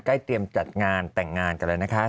เตรียมจัดงานแต่งงานกันแล้วนะคะ